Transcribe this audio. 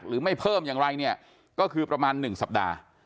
หรือไม่เพิ่มอย่างไรเนี่ยก็คือประมาณ๑สัปดาห์